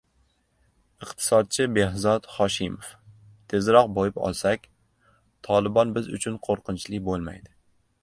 Iqtisodchi Behzod Hoshimov: "Tezroq boyib olsak, "Tolibon" biz uchun qo‘rqinchli bo‘lmaydi"